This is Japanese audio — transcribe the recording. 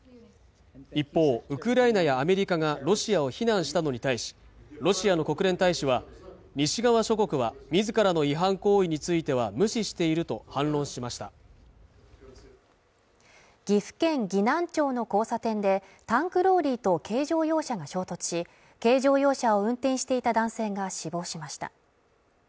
一方ウクライナやアメリカがロシアを非難したのに対しロシアの国連大使は西側諸国は自らの違反行為については無視していると反論しました岐阜県岐南町の交差点でタンクローリーと軽乗用車が衝突し軽乗用車を運転していた男性が死亡しました